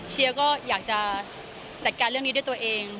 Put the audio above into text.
เชียร์ก็อยากจะจัดการเรื่องนี้ด้วยตัวเอง